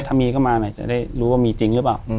ถ้ามีเข้ามาจะได้รู้ว่ามีจริงหรือเปล่า